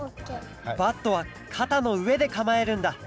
バットはかたのうえでかまえるんだ